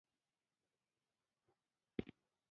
وسله له مرګه خوښیږي